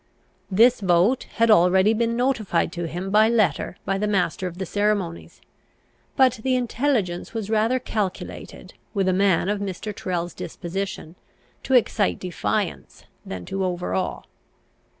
This vote had already been notified to him by letter by the master of the ceremonies, but the intelligence was rather calculated, with a man of Mr. Tyrrel's disposition, to excite defiance than to overawe.